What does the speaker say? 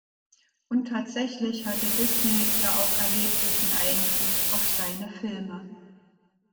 Und tatsächlich hatte Disney ja auch erheblichen Einfluss auf seine Filme.